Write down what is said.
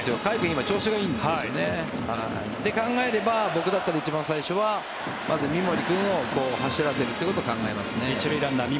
今、調子がいいんですよね。と考えれば僕だったら一番最初は三森君を走らせることを考えますね。